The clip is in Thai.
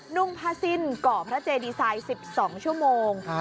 นุ่งผ้าสิ้นเกาะพระเจดีไซน์๑๒ชั่วโมง